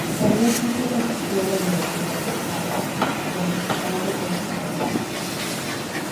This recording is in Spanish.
Daniel Pipes asistió a la Universidad de Harvard, donde su padre es catedrático.